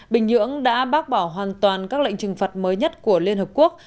bình nhưỡng đã bác bỏ hoàn toàn các lệnh trừng phạt mới nhất của liên hợp quốc